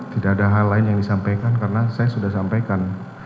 tidak ada hal lain yang disampaikan karena saya sudah sampaikan